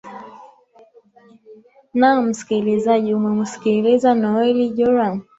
naam msikilizaji umemusikia noeli joram